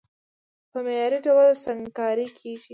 په معياري ډول سنګکاري کېږي،